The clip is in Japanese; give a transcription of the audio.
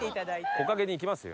木陰に行きますよ。